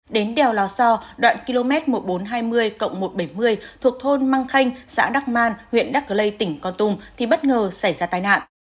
đến đèo lò so đoạn km một nghìn bốn trăm hai mươi một trăm bảy mươi thuộc thôn măng khanh xã đắc man huyện đắc lây tỉnh con tum thì bất ngờ xảy ra tai nạn